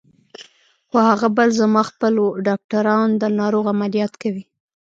خو هغه بل زما خپل و، ډاکټران د ناروغ عملیات کوي.